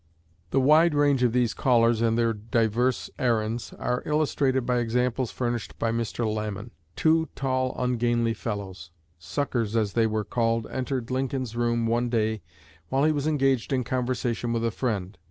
The wide range of these callers and their diverse errands are illustrated by examples furnished by Mr. Lamon. Two tall, ungainly fellows, "Suckers," as they were called, entered Lincoln's room one day while he was engaged in conversation with a friend.